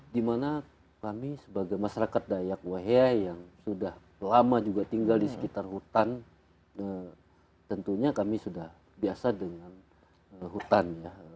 dimana kami sebagai masyarakat dayak wehea yang sudah lama juga tinggal di sekitar hutan tentunya kami sudah biasa dengan hutan ya